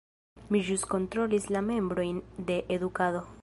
Mi ĵus kontrolis la membrojn de edukado.